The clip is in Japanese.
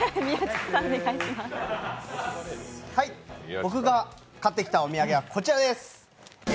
僕が買ってきたお土産はこちらです。